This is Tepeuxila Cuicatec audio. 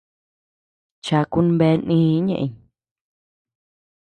Chakun bea nïi ñëʼeñ.